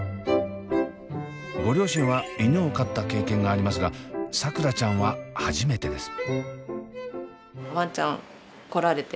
ご両親は犬を飼った経験がありますが桜ちゃんは初めてです。